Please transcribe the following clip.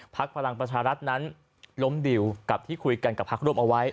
พลังประชารัฐนั้นล้มดิวกับที่คุยกันกับพักร่วมเอาไว้